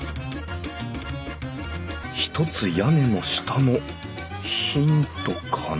「ひとつ屋根の下」のヒントかな？